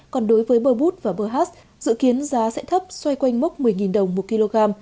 còn đối với bơ bút và berhat dự kiến giá sẽ thấp xoay quanh mốc một mươi đồng một kg